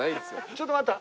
ちょっと待った。